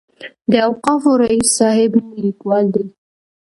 د اوقافو رئیس صاحب مو کلیوال دی.